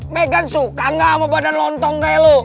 megan suka gak sama badan lontong kayak lu